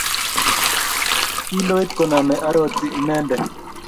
kiloit koname aroti inende